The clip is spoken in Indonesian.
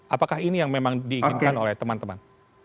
apakah ini yang memang diinginkan oleh teman teman